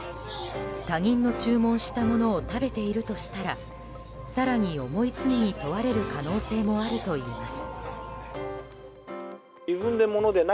他人の注文したものを食べているとしたら更に重い罪に問われる可能性もあるといいます。